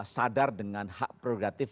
sadar dengan hak prerogatif